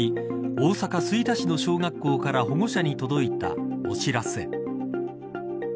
大阪・吹田市の小学校から保護者に届いたお知らせ。